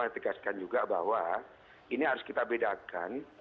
saya tegaskan juga bahwa ini harus kita bedakan